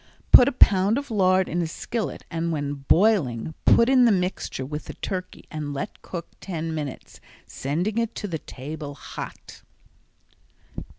Put a pound of lard in a skillet and, when boiling, put in the mixture with the turkey and let cook ten minutes, sending it to the table hot.